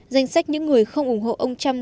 danh sách những người không ủng hộ ông trump